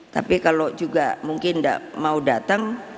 tapi kalau juga mungkin tidak mau datang